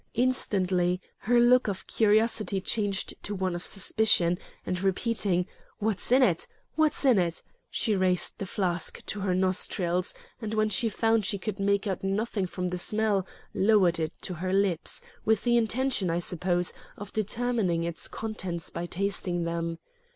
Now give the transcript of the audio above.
Instantly, her look of curiosity changed to one of suspicion, and repeating, 'What's in it? What's in it?' she raised the flask to her nostrils, and when she found she could make out nothing from the smell, lowered it to her lips, with the intention, I suppose, of determining its contents by tasting them.